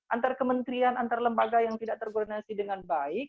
antar kementerian antar lembaga yang tidak terkoordinasi dengan baik